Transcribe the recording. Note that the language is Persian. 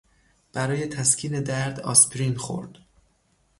برای تسکین درد آسپرین خورد.